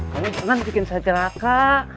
kamu senang bikin saya jeraka